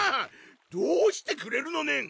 どうしてくれるのねん！